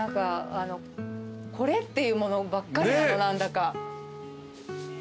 「これ」っていうものばっかり何だか。